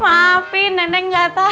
maafin neneng gak tau